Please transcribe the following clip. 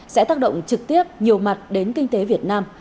sẽ tác động trực tiếp nhiều mặt đến kinh tế việt nam